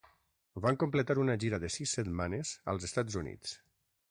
Van completar una gira de sis setmanes als Estats Units.